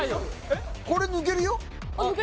これ抜けるよ